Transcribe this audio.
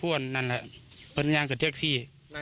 รอคุณนั่นไงอย่างรถแท็กซี่